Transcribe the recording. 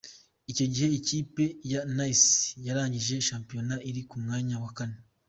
Icyo gihe ikipe ya Nice yarangije shampiyona iri ku mwanya wa kane.